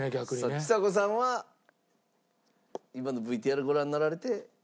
さあちさ子さんは今のＶＴＲご覧になられて。